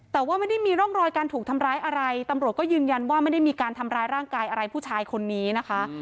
แต่ว่าไม่ได้มีร่องรอยการถูกทำร้ายอะไรตำรวจก็ยืนยันว่าไม่ได้มีการทำร้ายร่างกายอะไรผู้ชายคนนี้นะคะ